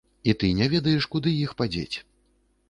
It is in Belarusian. І ты не ведаеш, куды іх падзець.